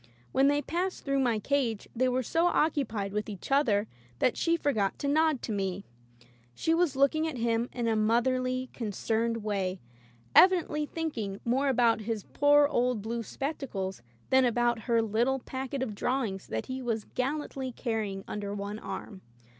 When they passed through my cage they were so occupied with each other that she forgot to nod to me. She was looking at him in a motherly, concerned way, evidently thinking more about his poor [ 245 ] Digitized by LjOOQ IC Intervehions old blue spectacles than about her little packet of drawings that he was gallantly carrying under one arm.